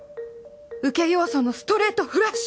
受け要素のストレートフラッシュ！